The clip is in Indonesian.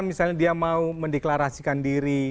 misalnya dia mau mendeklarasikan diri